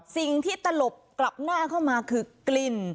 สิ่งที่ตลบกลับหน้าเข้ามาคือกลิ่น